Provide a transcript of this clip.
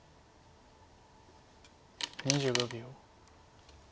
２５秒。